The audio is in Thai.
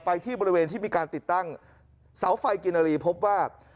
ที่บริเวณที่มีการติดตั้งเสาไฟกินนารีพบว่า